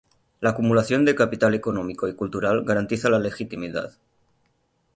La acumulación de capital económico y cultural garantiza la legitimidad.